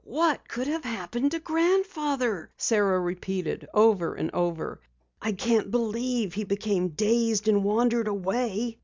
"What could have happened to Grandfather?" Sara repeated over and over. "I can't believe he became dazed and wandered away."